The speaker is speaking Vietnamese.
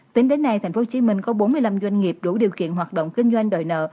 tính đến nay tp hcm có bốn mươi năm doanh nghiệp đủ điều kiện hoạt động kinh doanh đòi nợ